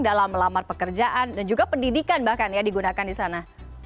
dalam melamar pekerjaan dan juga pendidikan bahkan ya digunakan di sana